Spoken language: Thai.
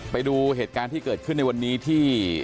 ไปดูเหตุการณ์ที่เกิดขึ้นในวันนี้ที่